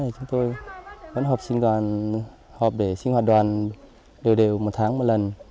chúng tôi vẫn học để sinh hoạt đoàn đều đều một tháng một lần